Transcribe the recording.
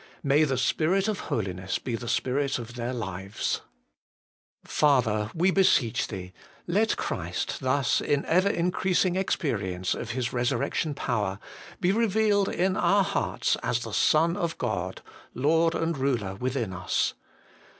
May the Spirit of holiness be the spirit of their lives ! Father ! we beseech Thee, let Christ thus, in ever increasing experience of His resurrection power, be revealed in our hearts as the Son of God, Lord and Ruler within us.